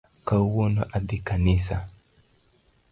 Kawuono adhi kanisa